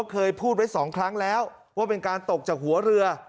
เคยพูดไว้๒ครั้งแล้วว่าเป็นการตกจากหัวเรือ